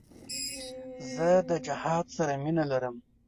زه د جهاد سره مینه لرم.